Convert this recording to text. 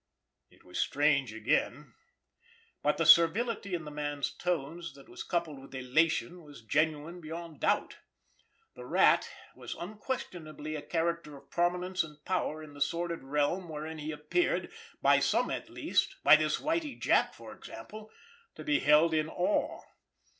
It was strange again—but the servility in the man's tones that was coupled with elation was genuine beyond doubt. The Rat was unquestionably a character of prominence and power in the sordid realm wherein he appeared, by some at least, by this Whitie Jack for example, to be held in awe.